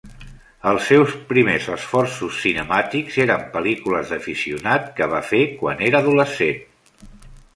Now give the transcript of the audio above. Els seus primers esforços cinemàtics eren pel·lícules d'aficionat que va fer quan era adolescent.